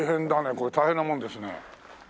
これ大変なもんですね。